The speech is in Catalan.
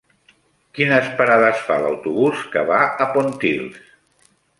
Quines parades fa l'autobús que va a Pontils?